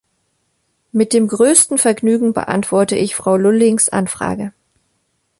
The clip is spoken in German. Mit dem größten Vergnügen beantworte ich Frau Lullings Anfrage.